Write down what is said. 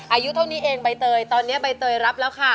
อายุเท่านี้เองใบเตยตอนนี้ใบเตยรับแล้วค่ะ